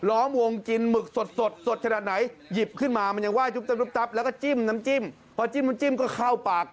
ร้อมวงกินหมึกสดสดสดสดสดสดสดสดสดสดสดสดสดสดสด